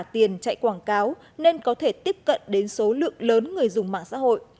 tiền chạy quảng cáo nên có thể tiếp cận đến số lượng lớn người dùng mạng xã hội